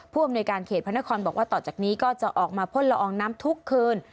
อำนวยการเขตพระนครบอกว่าต่อจากนี้ก็จะออกมาพ่นละอองน้ำทุกคืน